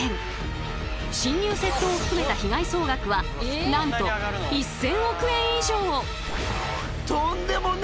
侵入窃盗を含めた被害総額はなんと１，０００億円以上！